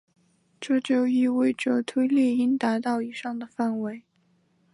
这就意味着推力应达到以上的范围。